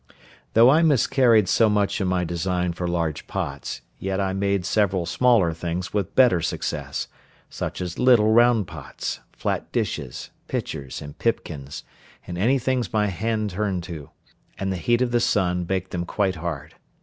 Though I miscarried so much in my design for large pots, yet I made several smaller things with better success; such as little round pots, flat dishes, pitchers, and pipkins, and any things my hand turned to; and the heat of the sun baked them quite hard.